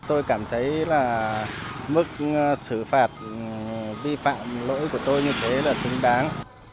tôi cảm thấy là mức xử phạt vi phạm lỗi của tôi như thế là xứng đáng